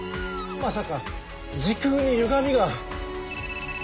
まさか時空にゆがみが？